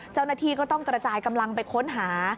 เจ้าหน้าที่ก็ต้องกระจายกำลังไปค้นหา